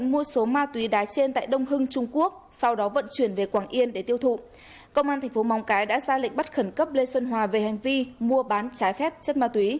hãy đăng ký kênh để ủng hộ kênh của chúng mình nhé